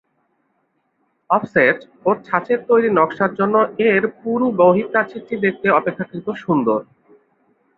‘Offset’ ও ছাঁচের তৈরী নকশার জন্য এর পুরু বহিঃপ্রাচীরটি দেখতে অপেক্ষাকৃত সুন্দর।